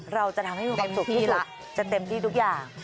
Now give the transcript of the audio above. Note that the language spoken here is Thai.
เราจะทำให้มีความสุขที่ละจะเต็มที่ทุกอย่าง